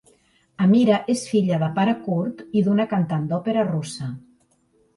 Amira és filla de pare kurd i d'una cantant d'òpera russa.